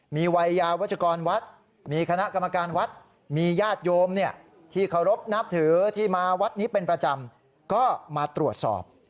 มีวัยยาวัชกรวัดมีคณะกรรมการวัดมีญาติโยมที่เคารพนับถือที่มาวัดนี้เป็นประจำก็มาตรวจสอบ